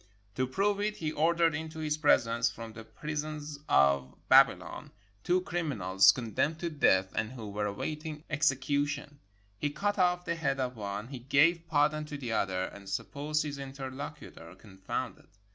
To prove it, he ordered into his presence, from the prisons of Babylon, two crimi nals condemned to death and who were awaiting execu tion. He cut off the head of one, he gave pardon to the other, and supposed his interlocutor confounded.